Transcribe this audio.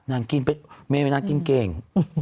นางกินเป็นไม่เป็นนางกินเกง